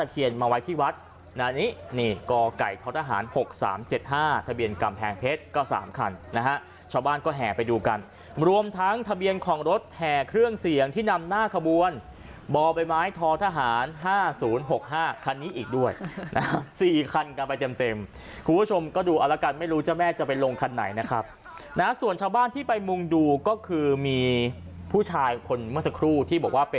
คันนะฮะชาวบ้านก็แห่ไปดูกันรวมทั้งทะเบียนของรถแห่เครื่องเสียงที่นำหน้าขบวนบใบไม้ท้อทหารห้าศูนย์หกห้าคันนี้อีกด้วยนะฮะสี่คันกันไปเต็มเต็มคุณผู้ชมก็ดูอ๋อละกันไม่รู้เจ้าแม่จะไปลงคันไหนนะครับนะฮะส่วนชาวบ้านที่ไปมุงดูก็คือมีผู้ชายคนเมื่อสักครู่ท